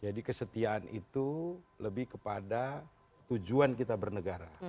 jadi kesetiaan itu lebih kepada tujuan kita bernegara